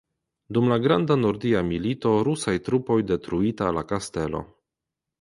Dum la Granda Nordia Milito rusaj trupoj detruita la kastelo.